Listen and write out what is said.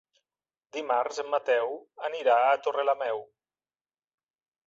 Dimarts en Mateu anirà a Torrelameu.